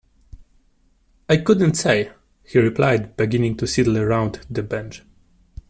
"I couldn't say," he replied, beginning to sidle round the bench.